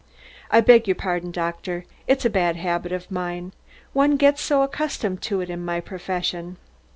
"I beg your pardon, doctor, it's a bad habit of mine. One gets so accustomed to it in my profession."